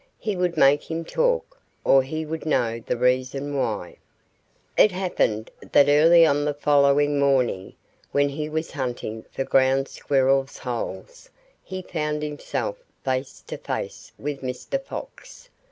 He would make him talk, or he would know the reason why. It happened that early on the following morning, when he was hunting for Ground Squirrel's holes, he found himself face to face with Mr. Fox.